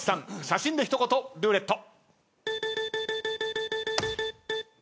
写真で一言ルーレット。